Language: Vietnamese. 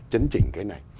chấn chỉnh cái này